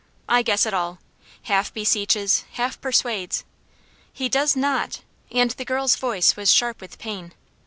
I guess it all. Half beseeches half persuades " "He does not!" And the girl's voice was sharp with pain.